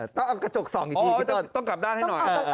อ๋อต้องเอากระจกที่๒อีกดี